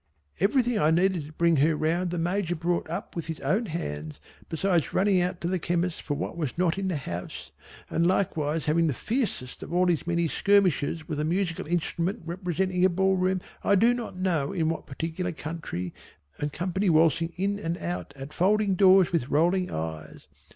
Everything I needed to bring her round the Major brought up with his own hands, besides running out to the chemist's for what was not in the house and likewise having the fiercest of all his many skirmishes with a musical instrument representing a ball room I do not know in what particular country and company waltzing in and out at folding doors with rolling eyes.